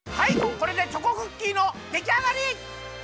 これでチョコクッキーのできあがり！